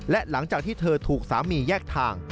และหลังจากที่เธอถูกสามีแยกทาง